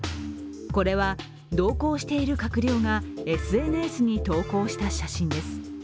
これは同行している閣僚がＳＮＳに投稿した写真です。